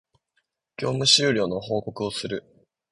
業務終了の報告をする